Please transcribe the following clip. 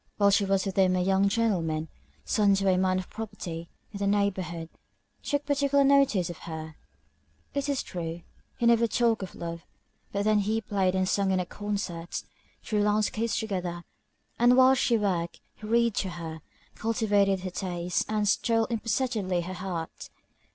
While she was with him a young gentleman, son to a man of property in the neighbourhood, took particular notice of her. It is true, he never talked of love; but then they played and sung in concert; drew landscapes together, and while she worked he read to her, cultivated her taste, and stole imperceptibly her heart.